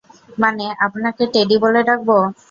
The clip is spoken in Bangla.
মানে, আপনাকে টেডি বলে ডাকব?